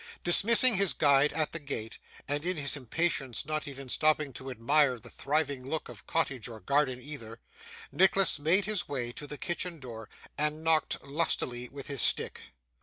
Dismissing his guide at the gate, and in his impatience not even stopping to admire the thriving look of cottage or garden either, Nicholas made his way to the kitchen door, and knocked lustily with his stick.